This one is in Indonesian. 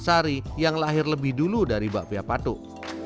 di taman sari yang lahir lebih dulu dari bakpia patok